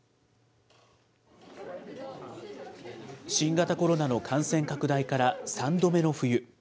新型コロナの感染拡大から３度目の冬。